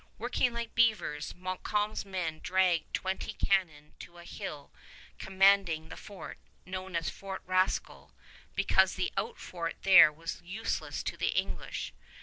Working like beavers, Montcalm's men dragged twenty cannon to a hill commanding the fort, known as "Fort Rascal" because the outfort there was useless to the English.